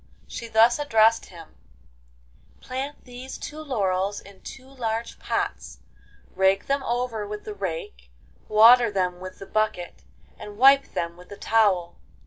She thus addressed him: 'Plant these two laurels in two large pots, rake them over with the rake, water them with the bucket, and wipe them with the towel.